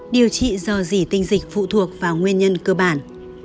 điều trị do dỉ tinh dịch phụ thuộc vào nguyên nhân cơ bản